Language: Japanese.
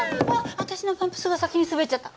私のパンプスが先に滑っちゃった。